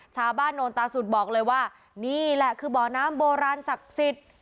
ชาวบ้านโนนตาสุดบอกเลยว่านี่แหละคือบ่อน้ำโบราณศักดิ์สิทธิ์